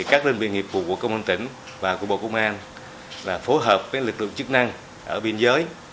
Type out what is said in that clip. các linh viên nghiệp vụ của công an tỉnh và cụ bộ công an phối hợp với lực lượng chức năng ở biên giới